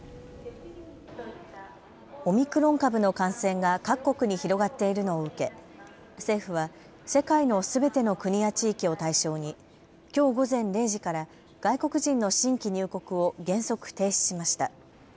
オミクロン株の感染が各国に広がっているのを受け政府は世界のすべての国や地域を対象にきょう午前０時から外国人の新規入国を原則停止しました。